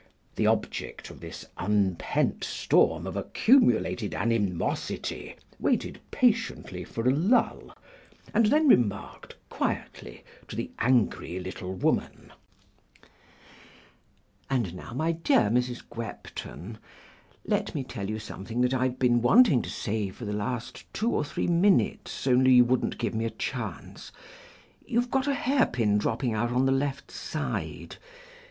The object of this unpent storm of accumulated animosity waited patiently for a lull, and then remarked quietly to the angry little woman— "And now, my dear Mrs. Gwepton, let me tell you something that I've been wanting to say for the last two or three minutes, only you wouldn't give me a chance; you've got a hairpin dropping out on the left side.